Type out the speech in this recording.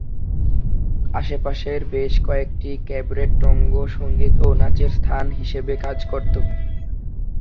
আশেপাশের বেশ কয়েকটি ক্যাবরেট ট্যাঙ্গো সঙ্গীত ও নাচের স্থান হিসেবে কাজ করত।